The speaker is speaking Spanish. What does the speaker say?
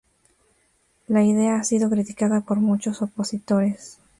La idea ha sido criticada por muchos opositores.